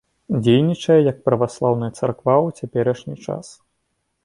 Дзейнічае як праваслаўная царква ў цяперашні час.